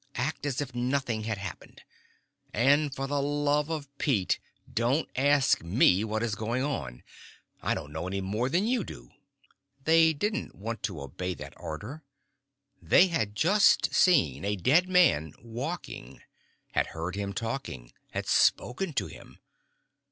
Act as if nothing had happened. And for the love of Pete, don't ask me what is going on. I don't know any more than you do." They didn't want to obey that order. They had just seen a dead man walking, had heard him talking, had spoken to him.